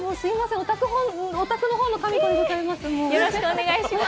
オタクのほうの紙子でございます。